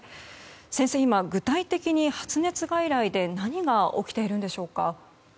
先生、具体的に発熱外来で何が起きているんでしょうか？